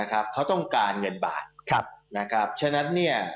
เขาต้องการเงินบาทฉะนั้นเนี่ย